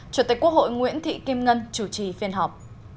chủ tịch quốc hội nguyễn thị kim ngân chủ trì phiên họp